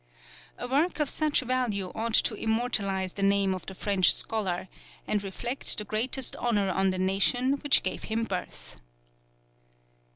A work of such value ought to immortalize the name of the French scholar, and reflect the greatest honour on the nation which gave him birth.